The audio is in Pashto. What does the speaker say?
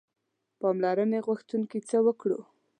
پاملرنې غوښتونکي څه وکړو.